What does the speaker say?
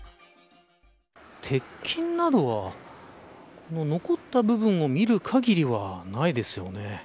鉄筋などは残った部分を見る限りはないですよね。